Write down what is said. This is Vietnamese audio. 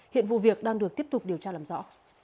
hiện vụ việc đang được tiếp tục điều tra làm rõ